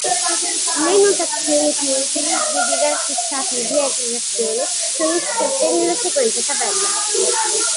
Le notazioni più utili di diversi stati di aggregazione sono iscritte nella seguente tabella.